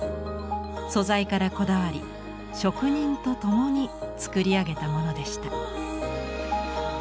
素材からこだわり職人と共に作り上げたものでした。